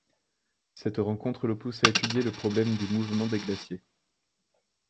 Cette rencontre le pousse à étudier le problème du mouvement des glaciers.